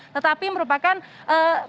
tetapi merupakan bisa dikatakan